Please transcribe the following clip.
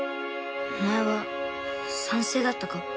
お前は賛成だったか？